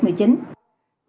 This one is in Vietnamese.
bán chỉ đạo